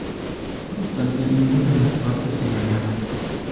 No obstante ninguna de las partes se engañaba.